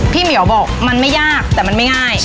เหมียวบอกมันไม่ยากแต่มันไม่ง่าย